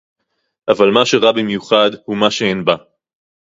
אבל מה שרע במיוחד הוא מה שאין בה